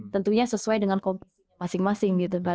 tentunya sesuai dengan masing masing